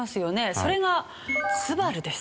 それがツバルです。